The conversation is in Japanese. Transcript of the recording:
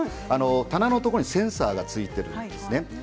棚にセンサーがついているんですね。